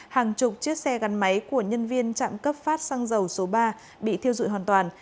hàng chục chiếc xe gắn máy của nhân viên trạm cấp phát xăng dầu số ba bị thiêu dụi hoàn toàn